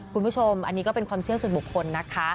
คุณผู้ชมอันนี้ก็เป็นความเชื่อส่วนบุคคลนะคะ